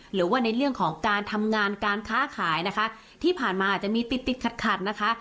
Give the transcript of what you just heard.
หรือว่าในเรื่องของการทำงานการค้าขายนะคะที่ผ่านมาอาจจะมีติดติดขัดขัดนะคะ